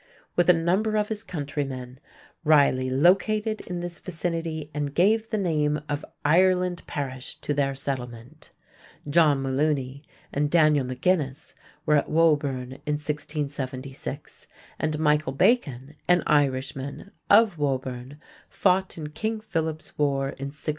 With a number of his countrymen, Riley located in this vicinity and gave the name of "Ireland Parish" to their settlement. John Molooney and Daniel MacGuinnes were at Woburn in 1676, and Michael Bacon, "an Irishman", of Woburn, fought in King Philip's war in 1675.